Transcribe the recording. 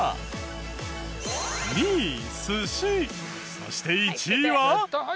そして１位は。